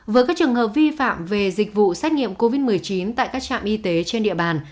với các trường hợp vi phạm về dịch vụ xét nghiệm covid một mươi chín tại các trạm y tế trên địa bàn